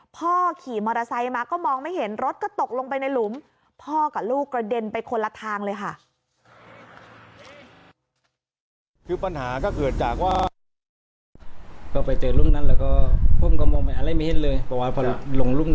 พ่อขี่มอเตอร์ไซส์มาก็มองไม่เห็นรถก็ตกลงไปในหลุม